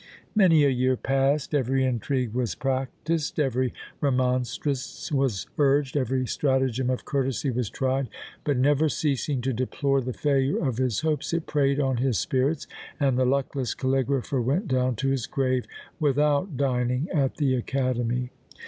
Many a year passed, every intrigue was practised, every remonstrance was urged, every stratagem of courtesy was tried; but never ceasing to deplore the failure of his hopes, it preyed on his spirits, and the luckless caligrapher went down to his grave without dining at the Academy!